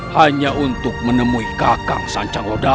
hanya untuk menemui kakang sancang loda